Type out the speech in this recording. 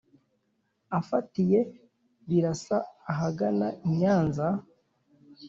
Afatiye Birasa ahagana i Nyanza